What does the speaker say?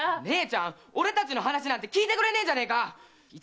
姉ちゃん俺たちの話なんて聞いてくれねえじゃねえか！